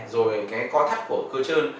rồi cái co thắt của cơ chơn